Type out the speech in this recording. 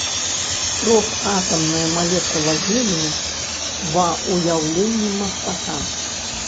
Трохатамная малекула гелію ва ўяўленні мастака.